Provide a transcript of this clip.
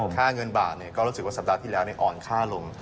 ค่าเงินบาทก็รู้สึกว่าสัปดาห์ที่แล้วอ่อนค่าลง